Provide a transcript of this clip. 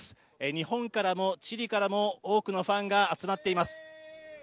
日本からも、チリからも多くのファンが集まっています。